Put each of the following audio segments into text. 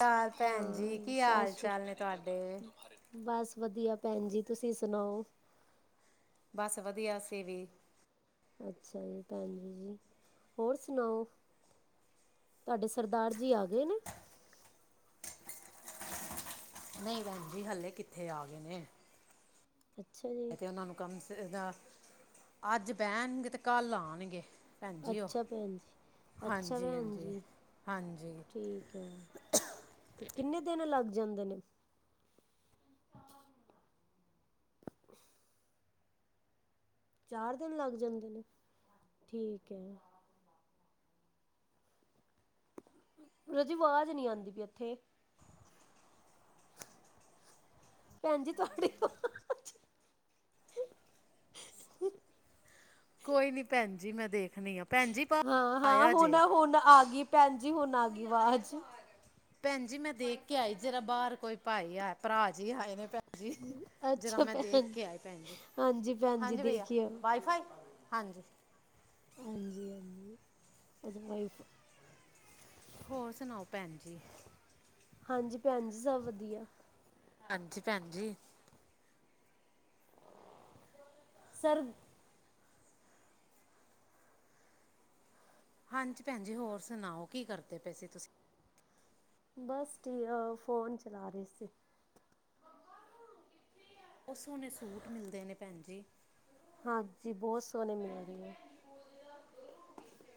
ਚ ਭੈਣ ਜੀ ਹਾਂ ਕੀ ਸਤਿ ਹਾਲ ਸ਼੍ਰੀ ਚਾਲ ਨੇ ਤੁਹਾਡੇ ਬਸ ਵਧੀਆ ਭੈਣ ਜੀ ਤੁਸੀਂ ਸੁਣਾਓ ਬਸ ਵਧੀਆ ਅਸੀ ਵੀ। ਅੱਛਾ ਜੀ ਭੈਣ ਜੀ ਹੋਰ ਸੁਣਾਓ ਤੁਹਾਡੇ ਸਰਦਾਰ ਜੀ ਆ ਗਏ ਨੇ? ਨਹੀਂ ਭੈਣ ਜੀ ਹਲੇ ਕਿੱਥੇ ਆ ਗਏ ਨੇ। ਅੱਛਾ ਜੀ ਇਥੇ ਉਨਾਂ ਨੂੰ ਕੰਮ [unintelligible] ਅੱਜ ਬੈਂਨਗੇ ਤੇ ਕੱਲ ਆਣਗੇ। ਭੈਣ ਜੀ ਉਹ ਅੱਛਾ ਭੈਣ ਜੀ ਅੱਛਾ ਹਾਂਜੀ ਭੈਣ ਹਾਂਜੀ ਜੀ ਹਾਂਜੀ ਠੀਕ ਐ। ਕਿੰਨੇ ਦਿਨ ਲੱਗ ਜਾਂਦੇ ਨੇ ਚਾਰ ਦਿਨ ਲੱਗ ਜਾਂਦੇ ਨੇ ਠੀਕ ਹੈ। ਰਾਜੇ ਆਵਾਜ਼ ਨੀ ਆਂਦੀ ਪਈ ਏਥੇ। ਭੈਣ ਜੀ ਤੁਹਾਡੀ ਕੋਈ ਨੀ ਭੈਣ ਜੀ ਮੈਂ ਦੇਖ ਹਾਂ-ਹਾਂ ਹੁਣ-ਹੁਣ ਆ ਗਈ ਭੈਣ। ਜੀ ਹੁਣ ਆ ਗੀ ਆਵਾਜ਼। ਭੈਣ ਜੀ ਮੈਂ ਦੇਖ ਕੇ ਆਈ ਜਰਾ ਬਾਰ ਕੋਈ ਭਾਈ ਆਇਆ ਭਰਾ ਜੀ ਆਏ ਨੇ। ਹਾਂਜੀ ਜਰਾ ਅੱਛਾ ਮੈਂ ਦੇਖ ਭੈਣ ਕੇ ਆਈ ਭੈਣ ਜੀ ਹਾਂਜੀ ਭੈਣ ਜੀ ਹਾਂਜੀ ਭਈਆ ਦੇਖਿਓ ਵਾਈ ਫਾਈ। ਹਾਂਜੀ। ਹਾਂਜੀ ਹਾਂਜੀ ਅ ਵਾਈਫ ਹੋਰ ਸੁਣਾਓ ਭੈਣ ਜੀ। ਹਾਂਜੀ। ਭੈਣ ਜੀ ਸਭ ਵਧੀਆ। ਹਾਂਜੀ ਭੈਣ ਜੀ ਸਰ ਹਾਂਜੀ ਭੈਣ ਜੀ ਹੋਰ ਸੁਣਾਓ ਕੀ ਕਰਦੇ ਪਏ ਸੀ ਤੁਸੀਂ? ਬਸ ਠੀਕ ਫੋਨ ਚਲਾ ਰਹੀ ਸੀ। ਬਹੁਤ ਸੋਹਣੇ ਸੂਟ ਮਿਲਦੇ ਨੇ ਭੈਣ ਜੀ। ਹਾਂਜੀ ਬਹੁਤ ਸੋਹਣੇ ਮਿਲੇ ਨੇ।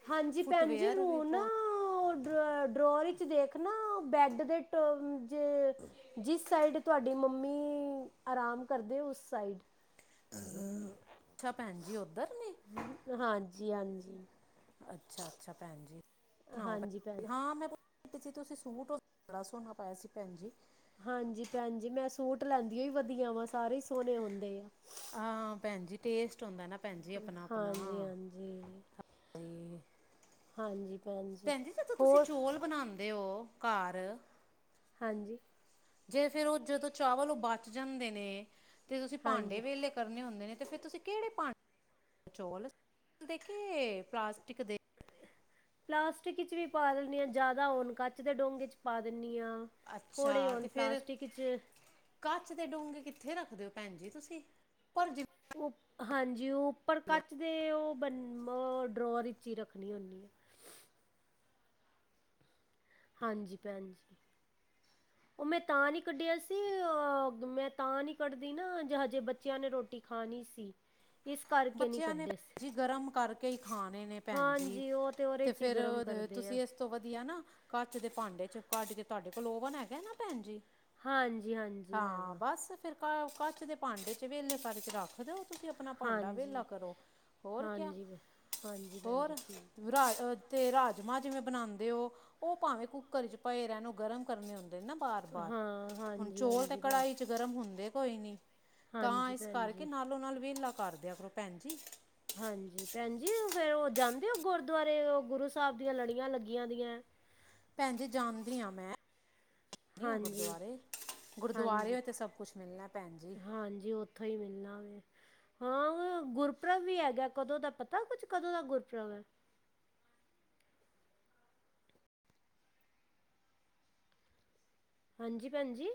ਹਾਂਜੀ ਭੈਣ ਜੀ ਫੁੱਟਵੇਅਰ ਵੀ ਰੂ ਨਾ ਬਹੁਤ ਓ ਡਰਾ ਡਰਾਰ ਵਿੱਚ ਵਿੱਚ ਦੇਖ ਨਾ ਬੈਡ ਦੇ ਟ ਜੇ ਜਿਸ ਸਾਈਡ ਤੁਹਾਡੀ ਮੰਮੀ ਆਰਾਮ ਕਰਦੇ ਉਸ ਸਾਈਡ ਅਹ [inaudible] ਅੱਛਾ ਭੈਣ ਜੀ ਓਧਰ ਨੇ ਜੀ ਹਾਂਜੀ ਅੱਛਾ ਅੱਛਾ ਭੈਣ ਜੀ ਹਾਂਜੀ ਭੈਣ [unintelligible] ਹਾਂ ਮੈਂ ਤੁਸੀਂ ਸੂਟ ਓ ਬੜਾ ਸੋਣਾ ਪਾਇਆ ਸੀ ਭੈਣ ਜੀ ਹਾਂਜੀ ਭੈਣ ਜੀ ਮੈਂ ਸੂਟ ਲੈਂਦੀ ਓ ਵਧੀਆ ਵਾ ਸਾਰੇ ਈ ਸੋਣੇ ਹੁੰਦੇ ਐ ਹਾਂ ਭੈਣ ਜੀ ਟੇਸਟ ਹੁੰਦਾ ਨਾ ਭੈਣ ਜੀ ਆਪਣਾ-ਆਪਣਾ ਹਾਂਜੀ ਹਾਂਜੀ ਜੀ ਹਾਂਜੀ। ਜੀ ਭੈਣ ਜ ਜਦੋਂ ਤੁਸੀਂ ਹੋਰ ਚੋਲ ਬਣਾਉਦੇ ਓ ਘਰ ਹਾਂਜੀ। ਜੇ ਫੇਰ ਓ ਜਦੋਂ ਚਾਵਲ ਓ ਬਚ ਜਾਂਦੇ ਨੇ ਤੇ ਤੁਸੀਂ ਹਾਂਜੀ ਭਾਂਡੇ ਵੇਲੇ ਕਰਨੇ ਹੁੰਦੇ ਨੇ ਤੇ ਫਿਰ ਤੁਸੀਂ ਕਿਹੜੇ ਭਾਂਡੇ ਚੋਲ ਦੇ ਪਲਾਸਟਿਕ ਦੇ ਪਲਾਸਟਿਕ ਵਿਚ ਵੀ ਪਾ ਦਨੀ ਆ ਜਿਆਦਾ ਹੋਣ ਕੱਚ ਦੇ ਡੋ ਚ ਪਾ ਦਣੀ ਆ ਅੱਛਾ ਤੇ ਫਿਰ ਕੱਚ ਦੇ ਡੂੰਘਤੇ ਕਿੱਥੇ ਰੱਖਦੇ ਹੋ ਭੈਣ ਜੀ ਤੁਸੀਂ ਪਰ ਉ ਹਾਂਜੀ ਉਪਰ ਜਿਵੇਂ ਕੱਚ ਦੇ ਉਹ ਬ ਡਰੋ ਹੀ ਰੱਖਣੀ ਹੁੰਦੀ ਆ ਹਾਂਜੀ ਭੈਣਜੀ ਉਹ ਮੈਂ ਤਾਂ ਨੀ ਕੱਢਿਆ ਸੀ ਅ ਮੈਂ ਤਾਂ ਨੀ ਕੱਢਦੀ ਨਾ ਜੇ ਹਜੇ ਬੱਚਿਆਂ ਨੇ ਰੋਟੀ ਖਾਣੀ ਸੀ ਇਸ ਕਰਕੇ ਨਹੀਂ ਬੱਚਿਆਂ ਨੇੈ ਕੱਢੇ ਸੀ ਜੀ ਗਰਮ ਕਰਕੇ ਹੀ ਖਾਣੇ ਨੇ ਭੈਣ ਜੀ ਹਾਂਜੀ ਉਹ ਤਾਂ ਉਹਦੇ ਤੇ 'ਚ ਹੀ ਫੇਰ ਗਰਮ ਕਰਦੇ ਆ ਤੁਸੀਂ ਇਸ ਤੋਂ ਵਧੀਆ ਨਾ ਕੱਚ ਦੇ ਭਾਂਡੇ ਚ ਕੱਚ ਦੇ ਤੁਹਾਡੇ ਕੋਲ ਓਵਨ ਹੈਗਾ ਨਾ ਭੈਣ ਜੀ ਹਾਂਜੀ ਹਾਂਜੀ ਹਾਂ ਹੈਗਾ ਬਸ ਫਿਰ ਕੱਚ ਦੇ ਭਾਂਡੇ ਚ ਵੇਲੇ ਕਰਕੇ ਰੱਖ ਦਿਓ ਤੁਸੀਂ ਆਪਣਾ ਭਾਂਡ ਭਾਂਡਾ ਹਾਂਜੀ ਵਿਹਲਾ ਕਰੋ ਹੋਰ ਕਿਆ ਹਾਂਜੀ ਭ ਹਾਂਜੀ ਭੈਣ ਜੀ ਹੋਰ ਠੀਕ ਤੇ ਰਾਜਮਾਂ ਜਿਵੇਂ ਬਣਾਉਂਦੇ ਹੋ ਉਹ ਭਾਵੇਂ ਕੁੱਕਰ ਚ ਭਏ ਰਹਿਣ ਗਰਮ ਕਰਨੇ ਹੁੰਦੇ ਨਾ ਬਾਰ ਬਾਰ ਹਾਂ ਹੁਣ ਹਾਂਜੀ ਚੋਲ ਤੇ ਹਾਂਜੀ ਭੈਣ ਕੜਾਹੀ ਚ ਗਰਮ ਹੁੰਦੇ ਕੋਈ ਨਹੀਂ ਤਾਂ ਹਾਂਜੀ ਇਸ ਭੈਣ ਕਰਕੇ ਜੀ ਨਾਲੋਂ ਨਾਲ ਵਿਹਲਾ ਕਰਦੇ ਆ ਕਰੋ ਭੈਣ ਜੀ ਹਾਂਜੀ ਭੈਣ ਜੀ ਫਿਰ ਉਹ ਜਾਂਦੇ ਗੁਰਦੁਆਰੇ ਗੁਰੂ ਸਾਹਿਬ ਦੀਆਂ ਲੜੀਆਂ ਲੱਗੀਆਂ ਦੀਆਂ ਭੈਣ ਜੀ ਜਾਣਦੀ ਹਾਂ ਮੈਂ ਹਾਂਜੀ ਗੁਰਦੁਆਰੇ ਹਾਂਜੀ ਗੁਰਦੁਆਰੇ ਤੇ ਸਭ ਕੁਛ ਮਿਲਣਾ ਭੈਣ ਜੀ ਹਾਂਜੀ ਉੱਥੋਂ ਹੀ ਮਿਲਣਾ ਵ ਹਾਂ ਗੁਰੂ ਪੁਰਬ ਵੀ ਹੈਗਾ ਕਦੋਂ ਦਾ ਪਤਾ ਕੁਛ ਕਦੋਂ ਦਾ ਗੁਰਪੁਰਬ ਹੈ ਹਾਂਜੀ ਭੈਣਜੀ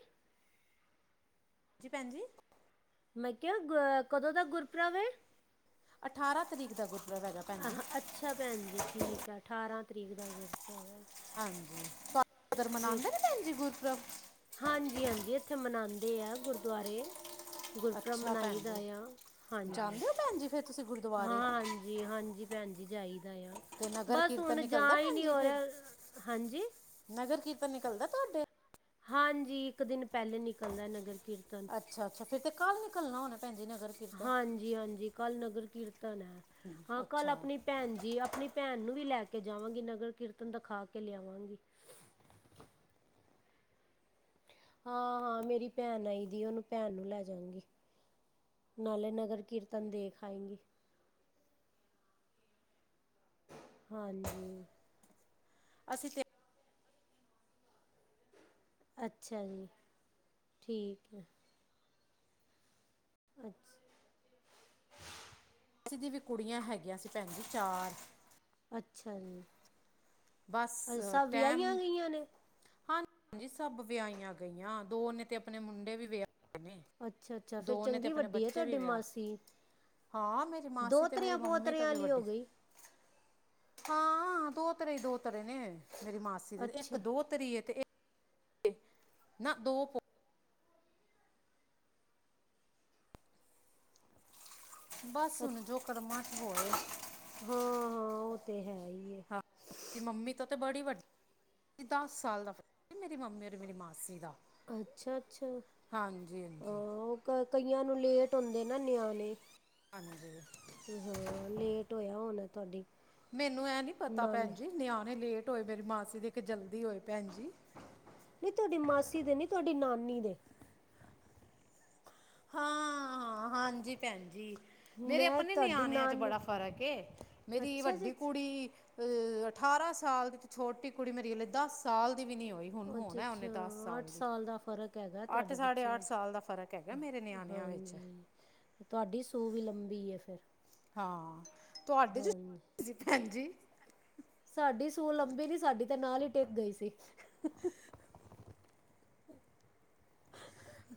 ਹਾਂਜੀ ਭੈਣ ਜੀ ਮੈਂ ਕਿਹਾ ਕਦੋਂ ਦਾ ਗੁਰਪੁਰਬ ਅਠਾਰਾਂ ਤਰੀਕ ਦਾ ਗੁਰੂ। ਆਹ ਅੱਛਾ ਭੈਣ ਜੀ ਠੀਕ ਆ ਅਠਾਰਾਂ ਤਰੀਕ ਦਾ ਗੁਰਪੁਰਬ ਹੈ ਹਾਂਜੀ ਤੁਹਾਡੇ ਉਧਰ ਠੀਕ। ਮਨਾਉਂਦੇ ਨੇ ਭੈਣ ਜੀ ਗੁਰਪੁਰਬ ਹਾਂਜੀ ਹਾਂਜੀ ਇੱਥੇ ਮਨਾਉਂਦੇ ਆ ਗੁਰਦੁਆਰੇ। ਗੁਰਪੁਰਬ ਅੱਛਾ ਭੈਣ ਮਨਾਈ ਦਾ ਜੀ ਆ ਹਾਂਜੀ ਜਾਂਦੇ ਹੋ ਭੈਣ ਜੀ ਫਿਰ ਤੁਸੀਂ ਹਾਂ ਗੁਰਦੁਆਰੇ ਹਾਂਜੀ ਹਾਂਜੀ ਭੈਣ ਜੀ ਜਾਈਦਾ ਆ ਤੇ ਨਗਰ ਬਸ ਕੀਰਤਨ ਹੁਣ ਨਿਕਲਦਾ ਜਾ ਹੀ ਭੈਣ ਨੀ ਜੀ ਹੋ ਫਿਰ ਰਿਹਾ ਹਾਂਜੀ। ਨਗਰ ਕੀਰਤਨ ਨਿਕਲਦਾ ਤੁਹਾਡੇ। ਹਾਂਜੀ ਇੱਕ ਦਿਨ ਪਹਿਲੇ ਨਿਕਲਦਾ ਨਗਰ। ਕੀਰਤਨ ਅੱਛਾ ਅੱਛਾ ਫੇਰ ਤੇ। ਕੱਲ ਨਿਕਲਣਾ ਹੋਣਾ। ਭੈਣ ਜੀ ਨਗਰ ਕੀਰਤਨ ਹਾਂਜੀ ਹਾਂਜੀ ਕੱਲ੍ਹ ਨਗਰ ਕੀਰਤਨ। ਹੈ ਹਾਂ ਕੱਲ ਅੱਛਾ ਆਪਣੀ ਭੈਣ ਜੀ ਆਪਣੀ ਭੈਣ ਨੂੰ ਵੀ ਲੈ। ਕੇ ਜਾਵਾਂਗੀ ਨਗਰ ਕੀਰਤਨ ਦਿਖਾ ਕੇ ਲਿਆਵਾਂਗੀ। ਹਾਂ ਹਾਂ ਮੇਰੀ ਭੈਣ ਆਈ ਦੀ ਉਹਨੂੰ ਭੈਣ ਨੂੰ ਲੈ ਜਾਂਗੀ ਨਾਲੇ ਨਗਰ ਕੀਰਤਨ ਦੇਖ ਆਏਗੀ। ਹਾਂਜੀ। ਅਸੀਂ ਤੇ। ਅੱਛਾ ਜੀ ਠੀਕ ਹੈ। ਅੱਛਾ। ਅਸੀ ਦੀ ਵੀ ਕੁੜੀਆਂ ਹੈਗੀਆਂ ਸੀ ਭੈਣ ਜੀ ਚਾਰ। ਅੱਛਾ ਜੀ। ਬਸ ਅ ਸਬ ਵਿਆਹੀਆਂ ਗਈਆਂ ਨੇ। ਹਾਂਜੀ ਸਭ ਵਿਆਹੀਆਂ ਗਈਆਂ ਦੋ ਨੇ ਤੇ ਆਪਣੇ ਮੁੰਡੇ ਵੀ ਵਿਆਹ। ਅੱਛਾ ਅੱਛਾ ਫਿਰ ਦੋ ਨੇ ਤੇ ਚੰਗੀ ਆਪਣੇ ਵੱਡੀ ਹੈ ਬੱਚੇ ਵੀ ਤੁਹਾਡੀ ਵਿਆਹ ਮਾਸੀ ਹਾਂ ਮੇਰੀ ਮਾਸੀ ਤੇ ਮੇਰੀ ਦੋਹਤਰਿਆਂ ਮੰਮੀ ਤਾਂ ਪੋਤਰਿਆਂ ਵੀ ਵਾਲੀ ਹੋ ਵੱਡੀ। ਗਈ ਹਾਂ ਦੋਤਰੇ ਹੀ ਦੋਤਰੇ ਨੇ। ਮੇਰੀ ਮਾਸੀ ਦੀ ਇੱਕ ਅੱਛਾ ਦੋਤ੍ਰੀ ਹੈ। ਤੇ ਇੱਕ- ਨਾ ਦੋ। ਬਸ ਅੱ ਹੁਣ ਜੋ ਕਰਮਾ। ਹੋੋਰ। ਹਾਂ ਹਾਂ ਉਹ ਤੇ ਹੈ ਹੀ। ਹਾਂ ਮੰਮੀ ਤਾਂ ਤਾਂ ਬੜੀ ਵੱ ਦਸ ਸਾਲ ਦਾ ਫਰਕ ਏ ਮੇਰੀ ਮੰਮੀ ਔਰ ਮੇਰੀ ਮਾਸੀ ਦਾ। ਅੱਛਾ ਅੱਛਾ ਹਾਂਜੀ ਹਾਂ ਹਾਂਜੀ ਉਹਗਾ। ਕਈਆਂ ਨੂੰ ਲੇਟ ਹੁੰਦੇ ਨਾ ਨਿਆਣੇ। ਹਾਂਜੀ ਹਾਂ ਲੇਟ ਹੋਇਆ ਹੋਣਾ ਤੁਹਾਡੀ ਮੈਨੂੰ ਇਹ ਨੀ ਪਤਾ ਨਾਨੀ ਭੈਣ ਜੀ ਨਿਆਣੇ ਲੇਟ। ਹੋਏ ਮੇਰੀ ਮਾਸੀ ਦੀ ਕੀ ਜਲਦੀ ਹੋਏ ਭੈਣ ਜੀ। ਨੀ ਦੇ। ਹਾਂ ਹਾਂਜੀ ਭੈਣ ਜੀ। ਮੇਰੇ ਮੈਂ ਆਪਣੇ ਤੁਹਾਡੀ ਨਿਆਣਿਆਂ ਚ ਨਾਨੀ ਬੜਾ ਫ਼ਰਕ ਮੇਰੀ ਅੱਛਾ ਅੱਛਾ ਵੱਡੀ ਅੱਛਾ ਕੁੜੀ। ਅ ਅਠਾਰਾਂ ਸਾਲ ਦੀ ਤੇ ਛੋਟੀ ਕੁੜੀ ਮੇਰੀ ਹਲੇ ਦਸ ਸਾਲ। ਦੀ ਵੀ ਨਹੀਂ ਹੋਈ ਹੁਣ ਅੱਛਾ ਹੋਣਾ ਅੱਛਾ ਉਹਨੇ ਦਸ ਅੱਠ ਦੀ ਸਾਲ ਦਾ ਫ਼ਰਕ। ਗਾ ਅੱਠ ਤੁਹਾਡੇ ਸਾਢੇ ਬੱਚਿਆਂ ਅੱਠ ਸਾਲ ਦਾ ਫ਼ਰਕ ਹੈਗਾ ਚ ਮੇਰੇ ਨਿਆਣਿਆਂ ਵਿੱਚ ਹਾਂਜੀ ਤੁਹਾਡੀ ਸੂ ਵੀ ਲੰਬੀ ਹੈ ਫਿਰ ਹਾਂ ਤੁਹਾਡੇ ਹਾਂਜੀ [unintelligible] ਭੈਨਜੀ ਸਾਡੀ ਸੂਲ ਲੰਬੀ ਨੀ ਸਾਡੀ ਤੇ ਨਾਲ ਹੀ ਟਿੱਗ ਗਈ ਸੀ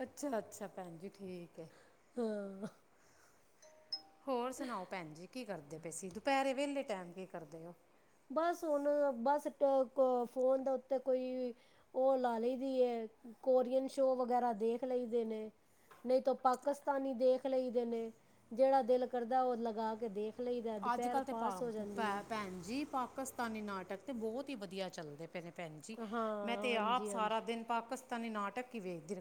ਅੱਛਾ ਅੱਛਾ ਭੈਣ ਜੀ ਠੀਕ ਹੈ ਹਾਂ ਹੋਰ ਸੁਣਾਓ ਭੈਣ ਜੀ ਕੀ ਕਰਦੇ ਪਏ ਸੀ ਦੁਪਹਿਰੇ ਵਹਲੇ ਟੈਮ ਕੀ ਕਰਦੇ ਉਹ ਬਸ ਹੁਣ ਬਸ ਫੋਨ ਦੇ ਉੱਤੇ ਕੋਈ ਉਹ ਲਾ ਲਈ ਦੀ ਹੈ ਕੋਰੀਅਨ ਸ਼ੋ ਵਗੈਰਾ ਦੇਖ ਲਈ ਦੇ ਨੇ ਨਹੀਂ ਤ ਪਾਕਿਸਤਾਨੀ ਦੇਖ ਲਈ ਦੇ ਨੇ ਜਿਹੜਾ ਦਿਲ ਕਰਦਾ ਉਹ ਲਗਾ ਕੇ ਦੇਖ ਲਈਦਾ ਅੱਜ ਦੁਪਹਿਰ ਕੱਲ ਤੇ ਪਾਸ ਹੋ ਜਾਂਦੀ ਹੈ ਭੈਣ ਜੀ ਪਾ ਪਾਕਿਸਤਾਨੀ ਨਾਟਕ ਤੇ ਬਹੁਤ ਹੀ ਵਧੀਆ ਚੱਲਦੇ ਪਏ ਨੇ ਭੈਣ ਜ ਹਾਂ ਮੈਂ ਤੇ ਆਪ ਹਾਂਜੀ ਹਾਂਜੀ ਸਾਰਾ ਦਿਨ ਪਾਕ [unintelligible] ਨਾਟਕ ਵੀ [unintelligible]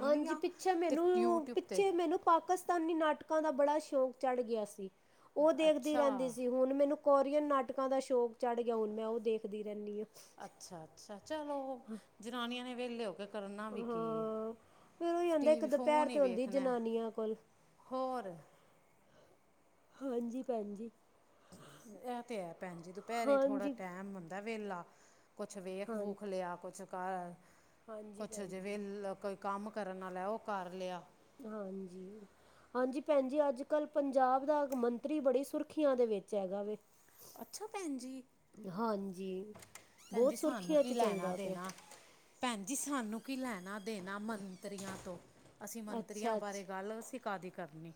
ਹਾਂਜੀ ਪਿੱਛੇ ਮੈਨੂੰ ਤੇ ਪਿੱਛੇ ਮੈਨੂੰ ਪਾਕਿਸਤਾਨੀ ਨਾਟਕ। ਉਹ ਦਾ ਬੜਾ ਸ਼ੌਕ ਚੜ੍ਹ ਗਿਆ ਸੀ। ਉਹ ਦੇਖਦੀ ਅੱਛਾ ਰਹਿੰਦੀ ਸੀ ਹੁਣ ਮੈਨੂੰ? ਕੋਰੀਅਨ ਨਾਟਕਾਂ ਦਾ ਸ਼ੌਕ ਚੜ੍ਹ ਗਿਆ ਹੁਣ ਮੈਂ ਉਹ ਦੇਖਦੀ ਰਹਿਣੀ ਹਾਂ? ਅੱਛਾ ਅੱਛਾ ਚਲੋ ਜਨਾਨੀਆਂ ਨੇ। ਵਿਹਲੇ ਹੋਕੇ? ਕਰਨਾ ਵੀ ਕੀ ਹੈ ਹਾਂ ਫੇਰ ਉਹੀ ਹੁੰਦਾ ਇੱਕ ਟੀਵੀ ਦੁਪਹਿਰ ਫੋਨ ਹੀ ਤੇ ਹੁੰਦੀ ਵੇਖਣਾ ਜਨਾਨੀਆਂ ਕੋਲ। ਹੋਰ? ਹਾਂਜੀ ਭੈਣ ਜੀ। ਇਹ ਤੇ ਹੈ ਭੈਣ ਜੀ ਦੁਪਹਿਰੇ ਥੋੜਾ ਹਾਂਜੀ ਟਾਈਮ ਹੁੰਦਾ ਹੈ। [unintelligible] ਕੁਛ ਵੇਖ ਹਾਂ ਵੂਖ ਲਿਆ ਕੁਛ? ਘਰ। ਹਾਂਜੀ ਕੁਛ ਭੈਣ ਜੀ ਜਿਵੇਂ ਕੋਈ ਕੰਮ? ਕਰਨ ਵਾਲਾ ਉਹ ਕਰ ਲਿਆ? ਹਾਂਜੀ ਹਾਂਜੀ ਭੈਣ ਜੀ ਅੱਜ ਕੱਲ ਪੰਜਾਬ ਦਾ ਮੰਤਰੀ ਬੜੀ ਸੁਰਖੀਆਂ ਦੇ ਵਿੱਚ ਹੈਗਾ ਵੇ? ਅੱਛਾ ਭੈਣ ਜੀ ਹਾਂਜੀ ਭੈਣ ਜੀ ਬਹੁਤ ਸਾਨੂੰ ਸੁਰਖੀਆਂ ਕੀ 'ਚ ਲੈਣਾ ਚੱਲਦਾ ਪਿਆ ਦੇਣਾ ਭੈਣ ਜੀ ਸਾਨੂੰ? ਕੀ ਲੈਣਾ? ਦੇਣਾ ਮੰਤਰੀਆਂ ਤੋਂ ਅਸੀਂ ਮੰਤਰੀਆਂ ਅੱਛਾ ਬਾਰੇ ਅੱਛਾ। ਗੱਲ ਅਸੀਂ ਕਾਦੀ ਕਰਨੀ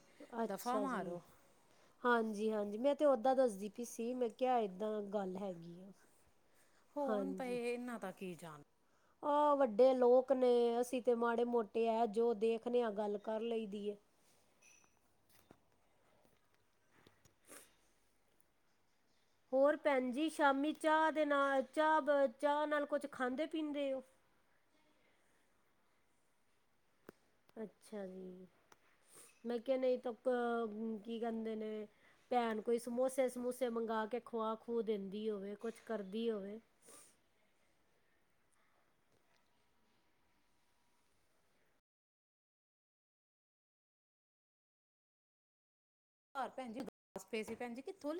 ਦਫ਼ਾ ਅੱਛਾ ਜੀ। ਮਾਰੋ? ਹਾਂਜੀ ਹਾਂਜੀ ਮੈਂ ਤੇ ਓਦਾਂ ਦੱਸਦੀ ਪਈ ਸੀ ਮੈਂ ਕਿਹਾ ਹੈ ਏਦਾਂ ਗੱਲ ਹੈਗੀ ਆ। ਹੋਣ ਹਾਂਜੀ। ਭਏ ਇੰਨਾ ਤੱਕ? ਕੀ ਜਾਣ? ਆਹ ਵੱਡੇ ਲੋਕ ਨੇ ਅਸੀਂ ਤੇ ਮਾੜੇ ਮੋਟੇ ਆ ਜੋ ਦੇਖਨ ਆ ਗੱਲ ਕਰ ਲਈ ਦੀ ਹੈ? ਹੋਰ ਭੈਣ ਜੀ ਸ਼ਾਮੀ ਚਾਹ ਦੇ ਨਾਲ ਚਾਹ ਚਾਹ ਨਾਲ ਕੁਛ ਖਾਂਦੇ ਪੀਂਦੇ ਹੋ? ਅੱਛਾ ਜੀ ਮੈਂ ਕਿਹਾ ਨਹੀਂ ਤਾਂ ਕੀ ਕਹਿੰਦੇ ਨੇ ਭੈਣ ਕੋਈ ਉ ਸਮੋਸੇ ਸਮੋਸੇ ਮੰਗਵਾ ਕੇ ਖੁਵਾ ਖੂ ਦਿੰਦੀ ਹੋਵੇ ਕੁਛ ਕਰਦੀ ਹੋਵੇ? ਘਰ ਭੈਣ ਜੀ ਉਦਾਸ ਪਏ ਸੀ ਭੈਣਜੀ ਕਿੱਥੋਂ?